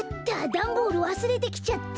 ダンボールわすれてきちゃった。